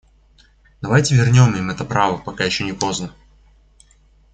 Давайте вернем им это право, пока еще не поздно!